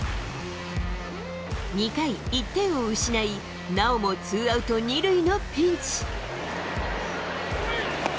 ２回、１点を失い、なおもツーアウト２塁のピンチ。